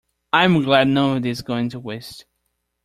I'm glad none of this is going to waste.